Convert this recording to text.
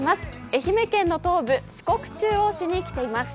愛媛県の東部、四国中央市に来ています。